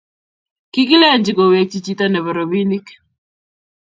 kikilenchi kowekchi chito nebo robinik